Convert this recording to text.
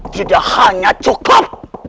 tidak hanya cukup